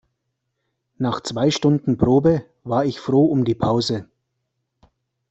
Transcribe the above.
Nach zwei Stunden Probe, war ich froh um die Pause.